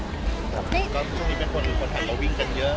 ช่วงนี้เป็นคนที่เห็นว่าวิ่งกันเยอะมีพฤติศักดิ์ที่แบบไหน